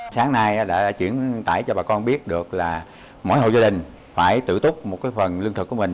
sáng nay đã chuyển tải cho bà con biết được là mỗi hộ gia đình phải tự túc một cái phần lương thực của mình